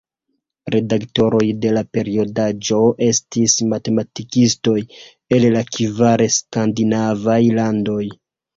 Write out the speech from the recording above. Redaktoroj de la periodaĵo estis matematikistoj el la kvar skandinavaj landoj.